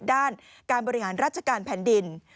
ด้านการบริหารราชการแผ่นดิน